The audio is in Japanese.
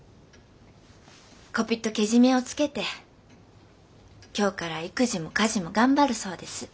こぴっとけじめをつけて今日から育児も家事も頑張るそうです。